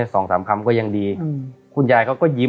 สองสามคำก็ยังดีอืมคุณยายเขาก็ยิ้ม